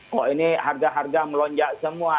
kok ini harga harga melonjak semua